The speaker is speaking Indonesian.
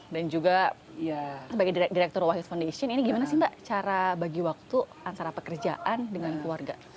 dan juga sebagai direktur white house foundation ini gimana sih mbak cara bagi waktu antara pekerjaan dengan keluarga